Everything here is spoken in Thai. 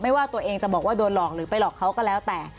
ว่าตัวเองจะบอกว่าโดนหลอกหรือไปหลอกเขาก็แล้วแต่